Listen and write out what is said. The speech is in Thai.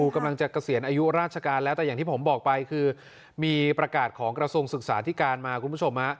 กำลังจะเกษียณอายุราชการแล้วแต่อย่างที่ผมบอกไปคือมีประกาศของกระทรวงศึกษาที่การมาคุณผู้ชม